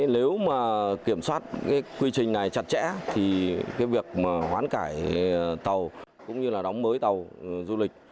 nếu kiểm soát quy trình này chặt chẽ thì việc hoán cải tàu cũng như đóng mới tàu du lịch